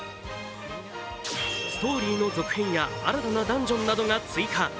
ストーリーの続編や新たなダンジョンなどが追加。